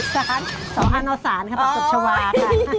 สารสอนอาณาสารค่ะปักตบชาวาค่ะ